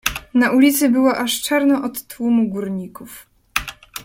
"Na ulicy było aż czarno od tłumu, górników."